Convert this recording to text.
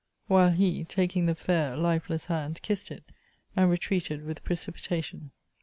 While he, taking the fair, lifeless hand, kissed it, and retreated with precipitation.